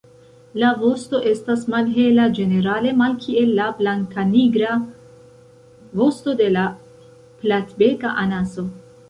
La vosto estas malhela ĝenerale, malkiel la blankanigra vosto de la Platbeka anaso.